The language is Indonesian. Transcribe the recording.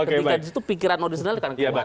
ketika di situ pikiran audisional itu akan keluar